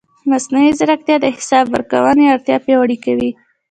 مصنوعي ځیرکتیا د حساب ورکونې اړتیا پیاوړې کوي.